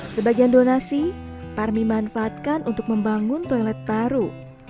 sebagian donasi parmi manfaatkan untuk membangun toilet baru